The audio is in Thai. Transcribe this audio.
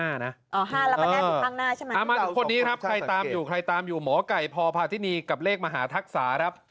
อ๋อ๕แล้วก็ได้ตรงข้างหน้าใช่ไหมครับเดี๋ยวเราสองคนจะสังเกตเอามาทุกคนนี้ครับใครตามอยู่หมอไก่พพาธินีกับเลขมหาธักษาครับ